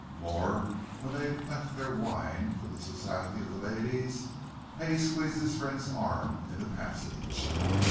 More, when they left their wine for the society of the ladies, Hay squeezed his friend's arm in the passage.